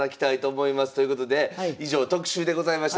ということで以上特集でございました。